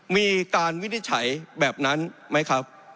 วินิจฉัยแบบนั้นไหมครับ